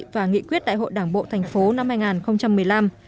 và nghị quyết đại hội đảng bộ thành phố năm hai nghìn một mươi năm